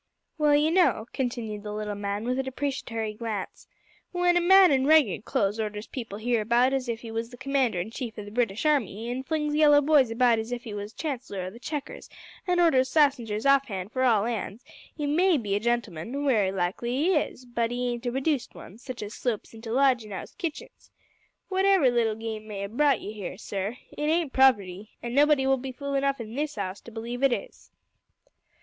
"Well, you know," continued the little man, with a deprecatory glance, "w'en a man in ragged clo'se orders people here about as if 'e was the commander in chief o' the British Army, an' flings yellow boys about as if 'e was chancellor o' the checkers, an orders sassengers offhand for all 'ands, 'e may be a gentleman wery likely 'e is, but 'e ain't a redooced one, such as slopes into lodgin' 'ouse kitchens. W'atever little game may 'ave brought you 'ere, sir, it ain't poverty an' nobody will be fool enough in this 'ouse to believe it is."